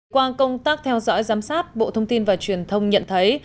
qua công tác theo dõi giám sát bộ thông tin và truyền thông nhận thấy